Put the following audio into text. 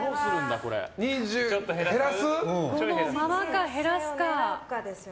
このままか減らすか。